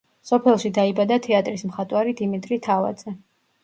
სოფელში დაიბადა თეატრის მხატვარი დიმიტრი თავაძე.